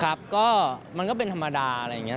ครับก็มันก็เป็นธรรมดาอะไรอย่างนี้